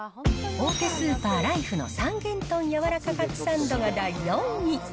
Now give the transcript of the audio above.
大手スーパー、ライフの三元豚やわらかかつサンドが第４位。